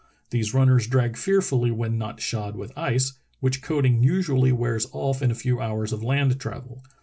These runners drag fearfully when not shod with ice, which coating usually wears off in a few hours of land travel.